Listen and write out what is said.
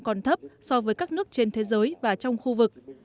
còn thấp so với các nước trên thế giới và trong khu vực